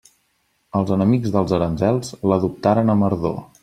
Els enemics dels aranzels l'adoptaren amb ardor.